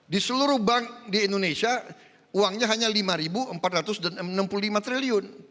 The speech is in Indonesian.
di seluruh bank di indonesia uangnya hanya rp lima empat ratus enam puluh lima triliun